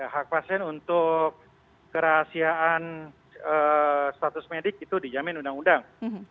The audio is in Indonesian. hak pasien untuk kerahasiaan status medik itu dijamin undang undang